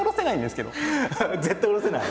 絶対降ろせない？